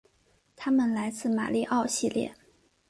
他们来自马里奥系列。